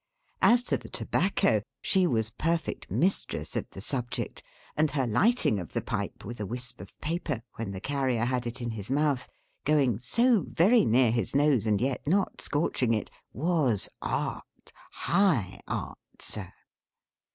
As to the tobacco, she was perfect mistress of the subject; and her lighting of the pipe, with a wisp of paper, when the Carrier had it in his mouth going so very near his nose, and yet not scorching it was Art: high Art, Sir.